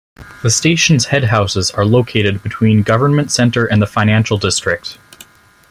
The station's headhouses are located between Government Center and the Financial District.